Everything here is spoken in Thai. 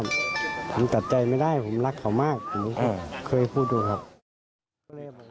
ผมตัดใจไม่ได้ผมรักเขามากผมก็เคยพูดดูครับ